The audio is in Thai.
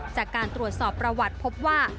จากการตรวจสอบประวัติพบว่า